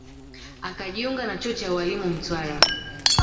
Akajiunga na chuo cha ualimu Mtwara